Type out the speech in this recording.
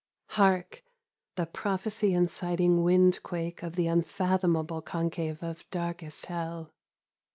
Hark ! The prophecy inciting windquake of the unfathom able concave of darkest Hell